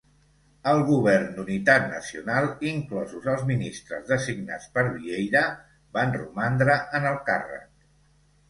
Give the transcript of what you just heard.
El Govern d'Unitat Nacional, inclosos els ministres designats per Vieira, van romandre en el càrrec.